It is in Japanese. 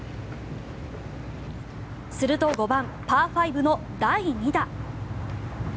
すると５番、パー５の第２打。